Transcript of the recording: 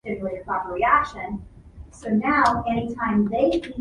Diah was appointed chairman of the founding committee.